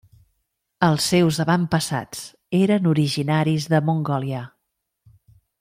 Els seus avantpassats eren originaris de Mongòlia.